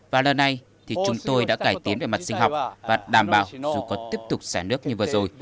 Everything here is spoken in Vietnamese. và lần này thì chúng tôi đã cải tiến về mặt sinh học và đảm bảo dù có tiếp tục xả nước như vừa rồi